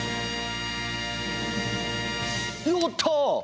やった！